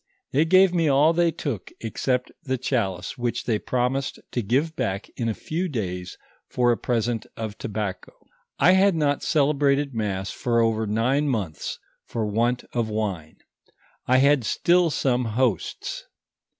They gave me all they took, except the chalice, which they promised to give back in a few days for a present of tobacco. I had not celebrated mass for over nine months for wani of wine; I had still some hosts.